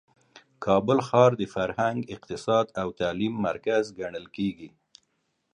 کابل ښار د فرهنګ، اقتصاد او تعلیم مرکز ګڼل کیږي.